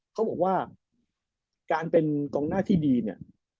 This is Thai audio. เขาบอกว่าการเป็นกองหน้าที่ดีเนี่ย